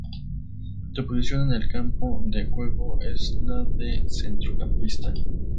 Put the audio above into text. Su posición en el campo de juego es la de centrocampista.